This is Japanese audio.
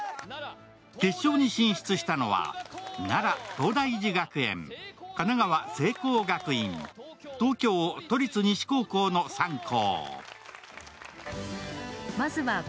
決勝に進出したのは、奈良・東大寺学園、神奈川・聖光学院、東京・都立西高校の３校。